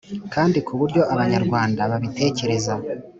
kandi ku buryo abanyarwanda babitekereza,